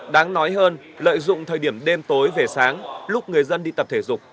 đáng nói hơn lợi dụng thời điểm đêm tối về sáng lúc người dân đi tập thể dục